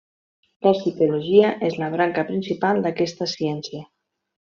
La psicologia és la branca principal d'aquesta ciència.